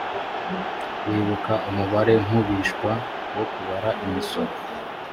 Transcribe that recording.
wibuka umubarenkubishwa wo kubara imisoro‽